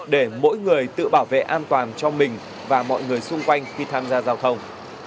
để mỗi người tự bảo vệ an toàn cho mình và mọi người xung quanh khi tham gia giao thông